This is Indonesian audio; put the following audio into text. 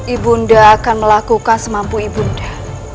ibunda akan melakukan semampu ibunda